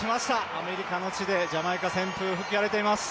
アメリカの地で、ジャマイカ旋風、吹き荒れています。